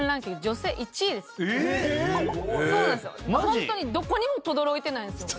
ホントにどこにもとどろいてないんですよ。